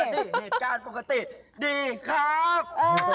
ที่เหตุการณ์ปกติดีครับ